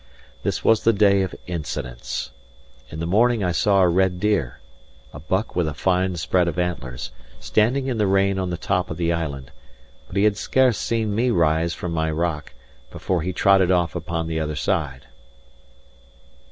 This was the day of incidents. In the morning I saw a red deer, a buck with a fine spread of antlers, standing in the rain on the top of the island; but he had scarce seen me rise from under my rock, before he trotted off upon the other side.